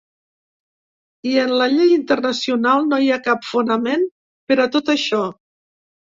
I en la llei internacional no hi ha cap fonament per a tot això.